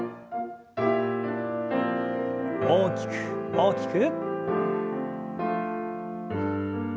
大きく大きく。